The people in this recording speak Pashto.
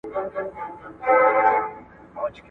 تاسو په پښتو ژبه څومره معلومات لرئ؟